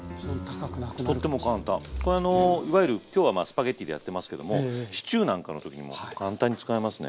これあのいわゆる今日はスパゲッティでやってますけどもシチューなんかの時にも簡単に使えますね